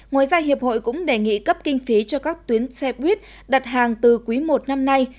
ngoài ra hiệp hội cũng đề nghị cấp kinh phí cho các tuyến xe buýt đặt hàng từ quý i năm nay